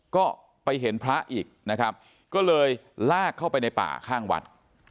ก็ไปเห็นพระอีกนะครับก็เลยลากเข้าไปในป่าข้างวัด